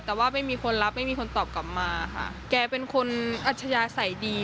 แต่ว่าไม่มีคนรับไม่มีคนตอบกลับมาค่ะแกเป็นคนอัธยาศัยดี